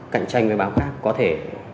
cạnh tranh với báo khác có thể